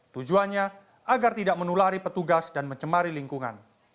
tujuannya agar tidak menulari petugas dan mencemari lingkungan